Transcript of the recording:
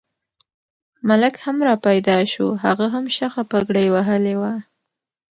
ملک هم را پیدا شو، هغه هم شخه پګړۍ وهلې وه.